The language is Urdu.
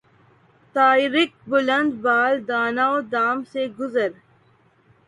طائرک بلند بال دانہ و دام سے گزر